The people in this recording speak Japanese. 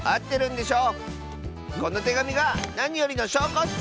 このてがみがなによりのしょうこッス！